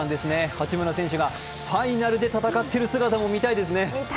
八村選手がファイナルで戦っている姿も見たいですね。